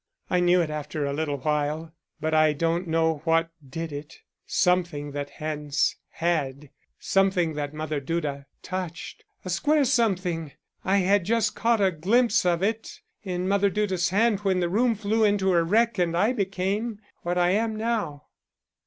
I knew it after a little while, but I don't know what did it; something that Hans had; something that Mother Duda touched a square something I had just caught a glimpse of it in Mother Duda's hand when the room flew into a wreck and I became what I am now."